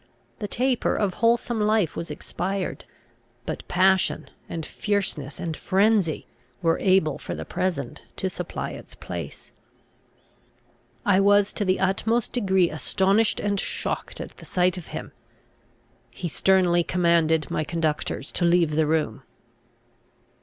The taper of wholesome life was expired; but passion, and fierceness, and frenzy, were able for the present to supply its place. I was to the utmost degree astonished and shocked at the sight of him. He sternly commanded my conductors to leave the room.